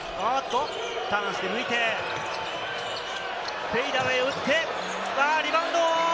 ターンして抜いて、フェイダウェイを打って、リバウンド！